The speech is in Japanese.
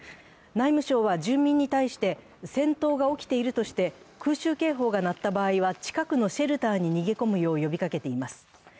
内務省は住民に対して、戦闘が起きているとして空襲警報が鳴った場合には近くのシェルターに逃げ込むよう呼びかけています。